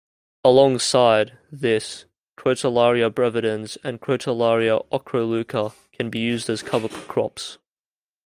Alongside, this, "Crotalaria brevidens" and "Crotalaria ochroleuca" can be used as cover crops.